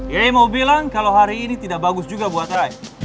ye mau bilang kalau hari ini tidak bagus juga buat rai